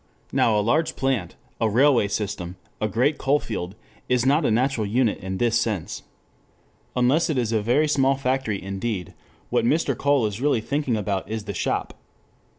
Now a large plant, a railway system, a great coal field, is not a natural unit in this sense. Unless it is a very small factory indeed, what Mr. Cole is really thinking about is the shop.